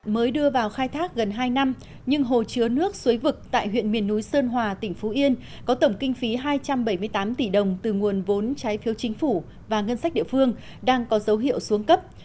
mới đưa vào khai thác gần hai năm nhưng hồ chứa nước suối vực tại huyện miền núi sơn hòa tỉnh phú yên có tổng kinh phí hai trăm bảy mươi tám tỷ đồng từ nguồn vốn trái phiếu chính phủ và ngân sách địa phương đang có dấu hiệu xuống cấp